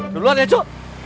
udah luar ya cu